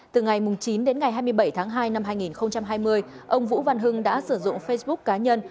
từ ngày chín đến ngày hai mươi bảy tháng hai năm hai nghìn hai mươi ông vũ văn hưng đã sử dụng facebook cá nhân